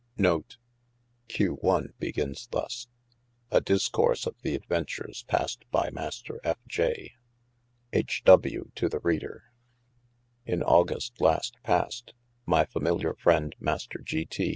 489 APPENDIX 383. 1—384 14 Ql A discourse of the adventures passed by Master F. J. H. W. to the Reader. IN August last passed my familiar friend Master G. T.